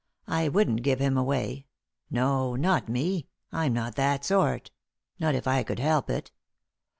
I wouldn't give him away; no, not me, I'm not that sort; not if I could help it.